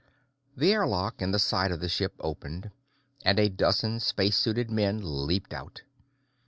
The airlock in the side of the ship opened, and a dozen spacesuited men leaped out.